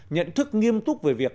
nhận thức nghiêm túc về việc